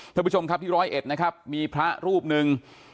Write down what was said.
ท่านผู้ชมครับที่ร้อยเอ็ดนะครับมีพระรูปหนึ่ง